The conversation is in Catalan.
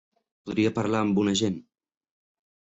Podria parlar amb un agent?